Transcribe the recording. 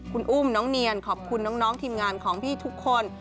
คุณอุ้มน้องเนียนขอบคุณน้องทีมงานของพี่ทุกคน